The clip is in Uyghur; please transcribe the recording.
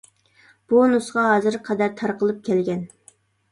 بۇ نۇسخا ھازىرغا قەدەر تارقىلىپ كەلگەن.